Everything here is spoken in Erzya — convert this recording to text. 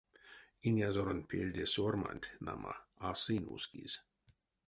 Инязоронть пельде сёрманть, нама, а сынь ускизь.